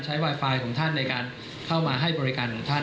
ไวไฟของท่านในการเข้ามาให้บริการของท่าน